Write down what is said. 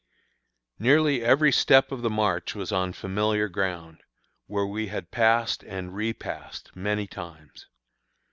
Nearly every step of the march was on familiar ground, where we had passed and repassed many times.